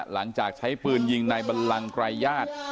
หลังจากใช้ปืนยิงในบันลังไกรญาติ